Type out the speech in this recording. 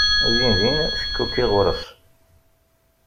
Din din tekkuki ɣur-s.